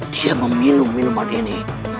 dia meminum minuman ini